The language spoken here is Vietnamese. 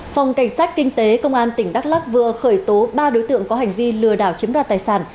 phòng cảnh sát kinh tế công an tỉnh đắk lắc vừa khởi tố ba đối tượng có hành vi lừa đảo chiếm đoạt tài sản